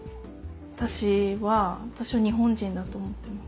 私は私は日本人だと思ってます。